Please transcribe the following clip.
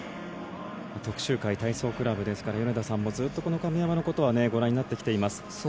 徳洲会体操クラブですから米田さんもずっと亀山のことはご覧になっています。